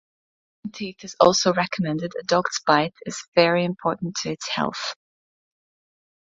Brushing teeth is also recommended, a dog's bite is very important to its health.